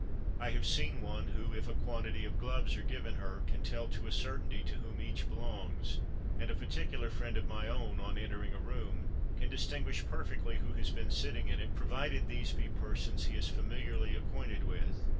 I have seen one who, if a quantity of gloves are given her, can tell to a certainty to whom each belongs; and a particular friend of my own, on entering a room, can distinguish perfectly who has been sitting in it, provided these be persons he is familiarly acquainted with.